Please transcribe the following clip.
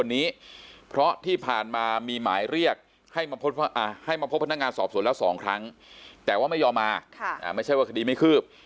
มีบ้านหน้าการสอบสนแล้วสองครั้งแต่ว่าไม่ยอมมาค่ะไม่ใช่ว่าคดีไม่ขืบ